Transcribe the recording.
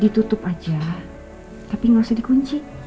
ditutup aja tapi nggak usah dikunci